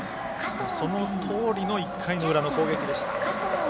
そのとおりの１回の裏の攻撃でした。